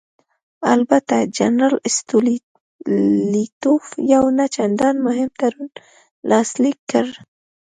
البته جنرال ستولیتوف یو نه چندانې مهم تړون لاسلیک کړ.